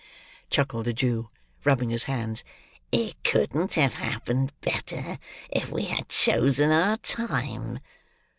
ha!" chuckled the Jew, rubbing his hands, "it couldn't have happened better, if we had chosen our time!"